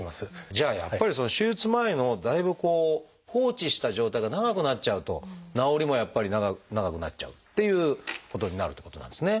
じゃあやっぱり手術前のだいぶ放置した状態が長くなっちゃうと治りもやっぱり長くなっちゃうっていうことになるってことなんですね。